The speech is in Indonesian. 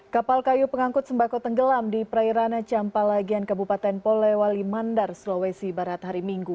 kapal kayu pengangkut sembako tenggelam di prairana campalagian kabupaten polewali mandar sulawesi barat hari minggu